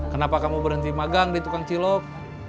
kenapa kamu berhenti magang di tukang cilok